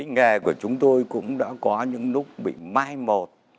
nghề của chúng tôi cũng đã có những lúc bị mai một